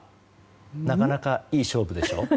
なかなか、いい勝負でしょ？